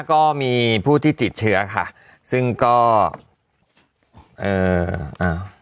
ก็มีผู้ที่ติดเชื้อค่ะซึ่งก็เอ่ออ่า